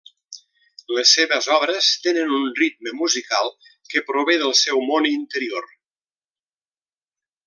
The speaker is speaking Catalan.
Les seves obres tenen un ritme musical que prové del seu món interior.